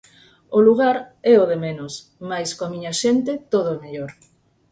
O lugar é o de menos, mais coa miña xente todo é mellor.